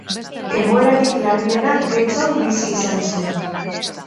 Egoerarik larriena Getxon bizi izan zen.